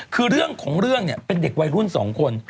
คือเรื่องของเรื่องเนี่ยเป็นเด็กวัยรุ่น๒คน